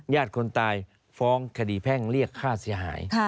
คนตายฟ้องคดีแพ่งเรียกค่าเสียหาย